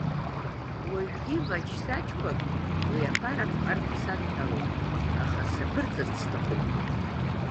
Уажәгьы маҷ-саҷқәак уи аԥараԥҟарҭа садҳәалоуп, аха саԥырҵырц сҭахуп.